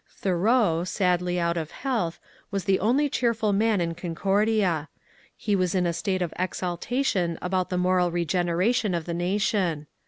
Thoreau, sadly out of health, was the only cheerful man in Concordia ; he was in a state of exaltation about the moral regeneration of the nation.